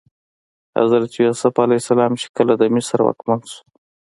حضرت یوسف علیه السلام چې کله د مصر واکمن شو.